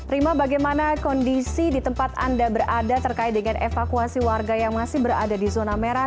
rima bagaimana kondisi di tempat anda berada terkait dengan evakuasi warga yang masih berada di zona merah